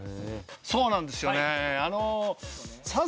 そうなんですよね。